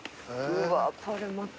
うわこれまた。